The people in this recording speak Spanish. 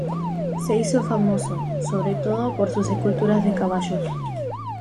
Se hizo famoso, sobre todo, por sus esculturas de caballos.